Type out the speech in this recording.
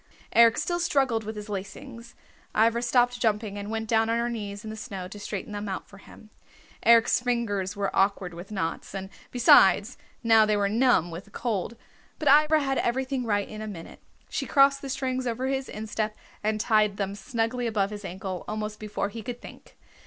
Eric still struggled with his lacings. Ivra stopped jumping and went down on her knees in the snow to straighten them out for him. Eric's fingers were awkward with knots, and besides, now, they were numb with the cold. But Ivra had everything right in a minute. She crossed the strings over his instep and tied them snugly above his ankle almost before he could think.